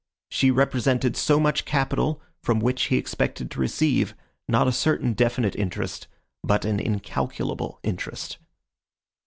She represented so much capital, from which he expected to receive, not a certain definite interest, but an incalculable interest.